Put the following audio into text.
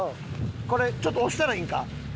これちょっと押したらいいんか？